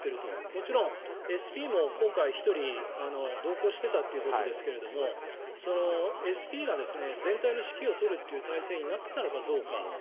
もちろんＳＰも今回１人同行していたということですがＳＰが全体の指揮を執るという態勢になっていたのかどうか。